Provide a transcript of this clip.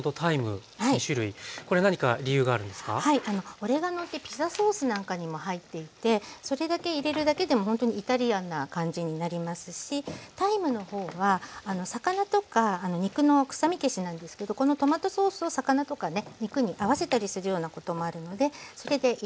オレガノってピザソースなんかにも入っていてそれだけ入れるだけでもほんとにイタリアンな感じになりますしタイムの方は魚とか肉の臭み消しなんですけどこのトマトソースを魚とかね肉に合わせたりするようなこともあるのでそれで入れてます。